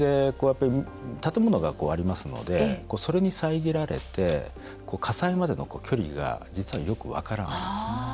建物がありますのでそれに遮られて火災までの距離が実はよく分からないんですね。